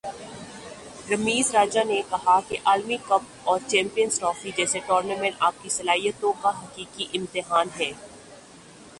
رمیز راجہ نے کہا کہ عالمی کپ اور چیمپئنز ٹرافی جیسے ٹورنامنٹ آپ کی صلاحیتوں کا حقیقی امتحان ہیں